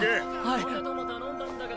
ポテトも頼んだんだけど。